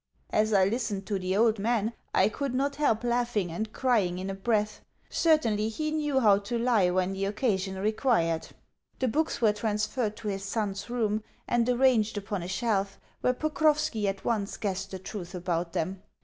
As I listened to the old man I could not help laughing and crying in a breath. Certainly he knew how to lie when the occasion required! The books were transferred to his son's room, and arranged upon a shelf, where Pokrovski at once guessed the truth about them.